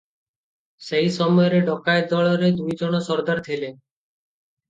ସେହି ସମୟରେ ଡକାଏତ ଦଳରେ ଦୁଇଜଣ ସର୍ଦ୍ଦାର ଥିଲେ ।